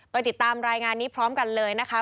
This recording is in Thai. ติดตามรายงานนี้พร้อมกันเลยนะคะ